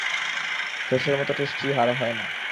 ফ্রেশের মতো টেস্টি আর হয় না।